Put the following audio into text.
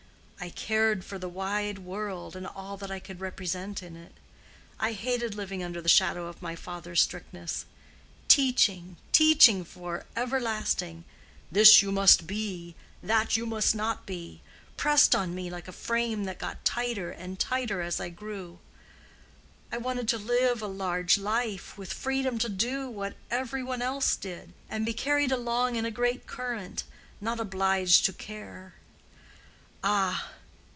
I cared for the wide world, and all that I could represent in it. I hated living under the shadow of my father's strictness. Teaching, teaching for everlasting—'this you must be,' 'that you must not be'—pressed on me like a frame that got tighter and tighter as I grew. I wanted to live a large life, with freedom to do what every one else did, and be carried along in a great current, not obliged to care. Ah!"